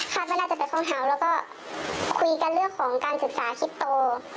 ว่าน่าจะเป็นห้องแถวแล้วก็คุยกันเรื่องของการศึกษาคิดโต